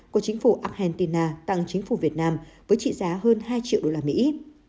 của chính phủ argentina tặng chính phủ việt nam với trị giá hơn hai triệu đô la mỹ